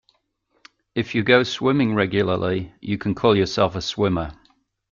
If you go swimming regularly, you can call yourself a swimmer.